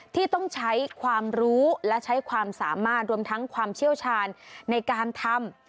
ที่ต้องใช้ความรู้และใช้ความสามารถรวมทั้งความเชี่ยวชาญในการทำ